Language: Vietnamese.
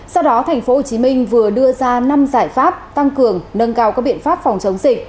sau đó tp hcm vừa đưa ra năm giải pháp tăng cường nâng cao các biện pháp phòng chống dịch